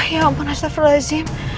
ya allah astagfirullahaladzim